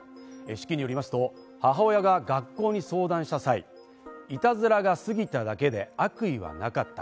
手記によりますと母親が学校に相談した際、いたずらが過ぎただけで悪意はなかった。